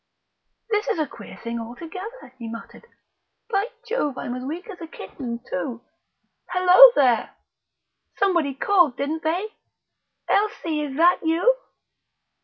"This is a queer thing altogether," he muttered. "By Jove, I'm as weak as a kitten too.... Hallo, there! Somebody called, didn't they?... Elsie! Is that you?..."